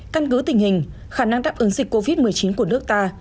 căn cứ tình hình khả năng đáp ứng dịch covid một mươi chín của nước ta